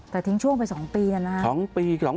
แต่ทิ้งช่วงไป๒ปีกันนะฮะ